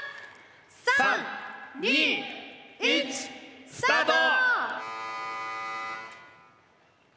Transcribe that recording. ３・２・１スタート！